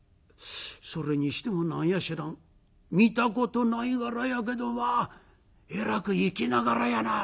それにしても何や知らん見たことない柄やけどまあえらく粋な柄やなあ」